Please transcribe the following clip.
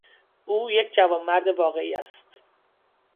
او یک جوانمرد واقعی است.